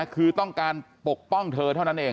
คือต้องการปกป้องเธอเท่านั้นเอง